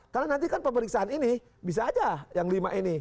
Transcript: karena nanti kan pemeriksaan ini bisa aja yang lima ini